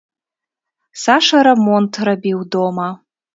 Саша рамонт рабіў дома.